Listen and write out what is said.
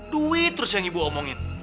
duit terus yang ibu omongin